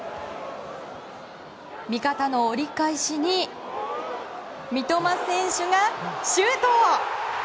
味方の折り返しに三笘選手がシュート！